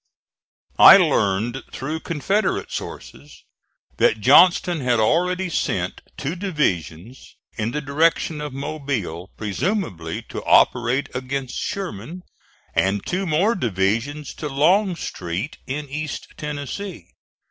I learned through Confederate sources that Johnston had already sent two divisions in the direction of Mobile, presumably to operate against Sherman, and two more divisions to Longstreet in East Tennessee.